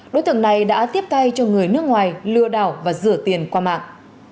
đối tượng này đã tiếp tay cho người nước ngoài lừa đảo và rửa tiền qua mạng